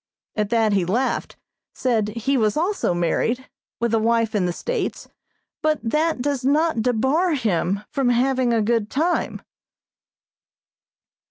At that he laughed, said he was also married, with a wife in the States, but that does not debar him from having a good time.